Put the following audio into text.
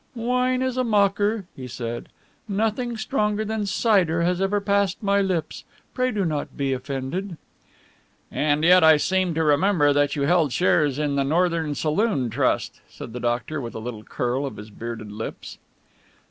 "Wine is a mocker," he said, "nothing stronger than cider has ever passed my lips pray do not be offended." "And yet I seem to remember that you held shares in the Northern Saloon Trust," said the doctor, with a little curl of his bearded lips.